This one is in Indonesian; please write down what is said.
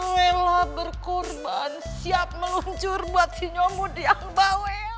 rela berkorban siap meluncur buat si nyomot yang bawel